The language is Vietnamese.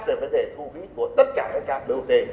để có thể thu phí của tất cả các trạm bot